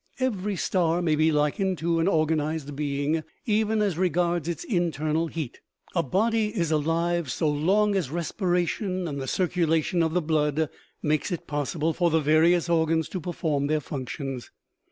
Every star may be likened to an organized being, even as regards its internal heat. A body is alive so long as respi ration and the circulation of the blood makes it possible for the various organs to perform their functions.